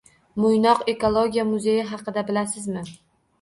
Mo‘ynoq ekologiya muzeyi haqida bilasizmi?